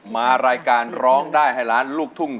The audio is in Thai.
มารายการร้องได้ให้ล้านลูกทุ่ง